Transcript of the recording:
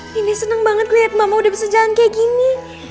ini senang banget lihat mama udah bisa jalan kayak gini